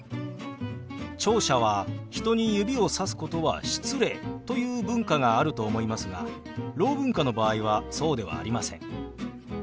聴者は「人に指をさすことは失礼」という文化があると思いますがろう文化の場合はそうではありません。